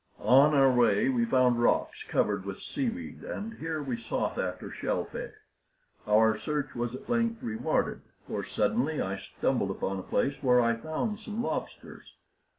On our way we found rocks covered with sea weed, and here we sought after shell fish. Our search was at length rewarded, for suddenly I stumbled upon a place where I found some lobsters.